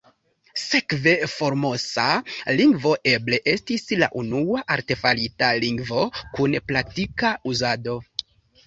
Sekve, Formosa lingvo eble estis la unua artefarita lingvo kun praktika uzado.